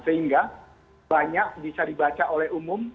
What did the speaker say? sehingga banyak bisa dibaca oleh umum